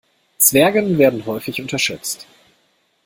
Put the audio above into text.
Zwergen werden häufig unterschätzt.